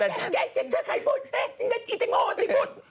รู้แต่ฉันใครพูดไอ้เจ็งโอสิพูด